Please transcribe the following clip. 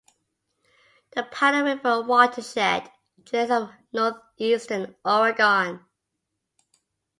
The Powder River watershed drains of northeastern Oregon.